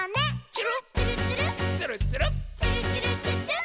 「つるっつる」「つるっつる」「つるっつるっつっつっ」